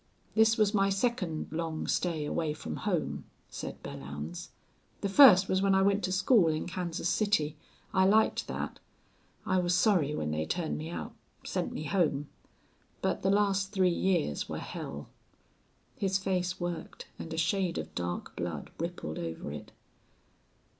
"This was my second long stay away from home," said Belllounds. "The first was when I went to school in Kansas City. I liked that. I was sorry when they turned me out sent me home.... But the last three years were hell." His face worked, and a shade of dark blood rippled over it.